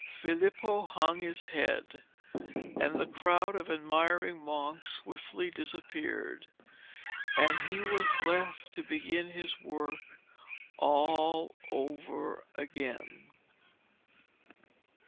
Filippo hung his head, the crowd of admiring monks swiftly disappeared, and he was left to begin his work all over again.